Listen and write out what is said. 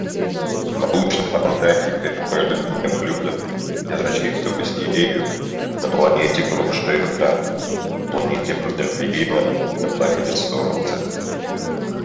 Аполлоновское начало иллюстрирует угол крена.